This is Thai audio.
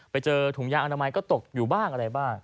ไปเจอถุงยางอนามัยก็ตกอยู่บ้างอะไรบ้าง